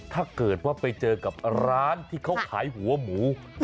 ถ้าเกิดว่าไปเจอกับร้านที่เขาขายหัวหมู